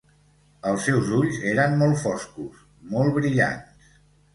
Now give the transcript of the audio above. Els seus ulls eren molt foscos, molt brillants.